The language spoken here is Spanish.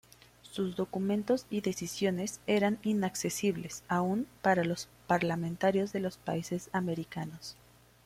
Sus documentos y decisiones eran inaccesibles aún para los parlamentarios de los países americanos.